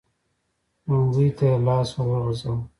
لونګۍ ته يې لاس ور وغځاوه.